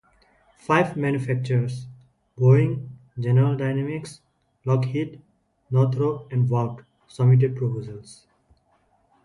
Five manufacturers - Boeing, General Dynamics, Lockheed, Northrop, and Vought - submitted proposals.